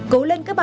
cố lên các bạn